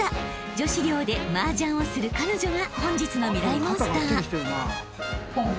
女子寮でマージャンをする彼女が］